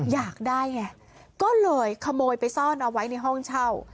อยากได้ไงก็เลยขโมยไปซ่อนเอาไว้ในห้องเช่า